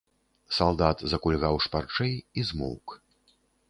Салдат закульгаў шпарчэй і змоўк.